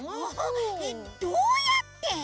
えっどうやって！？